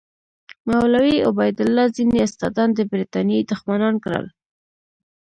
مولوي عبیدالله ځینې استادان د برټانیې دښمنان کړل.